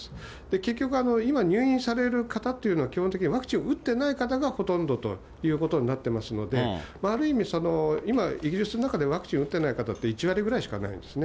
結局今、入院される方というのは、基本的にワクチンを打ってない方がほとんどということになってますので、ある意味、今、イギリスの中でワクチン打ってない方って１割ぐらいしかないんですね。